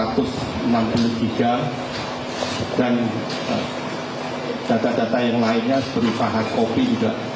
dan data data yang lainnya seperti pahak kopi juga